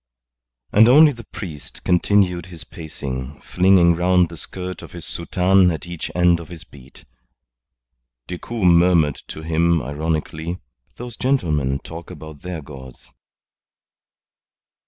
And only the priest continued his pacing, flinging round the skirt of his soutane at each end of his beat. Decoud murmured to him ironically: "Those gentlemen talk about their gods."